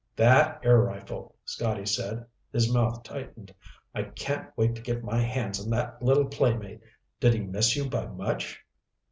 "That air rifle," Scotty said. His mouth tightened. "I can't wait to get my hands on that little playmate. Did he miss you by much?"